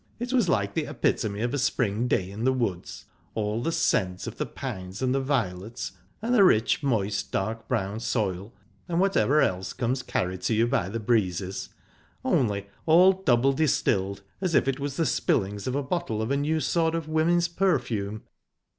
It was like the epitome of a spring day in the woods all the scent of the pines, and the violets, and the rich, moist, dark brown soil, and whatever else comes carried to you by the breezes only, all double distilled, as if it was the spillings of a bottle of a new sort of women's perfume..."